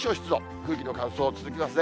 空気の乾燥、続きますね。